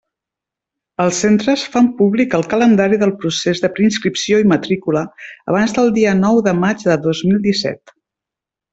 Els centres fan públic el calendari del procés de preinscripció i matrícula abans del dia nou de maig de dos mil disset.